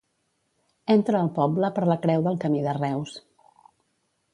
Entra al poble per la Creu del Camí de Reus.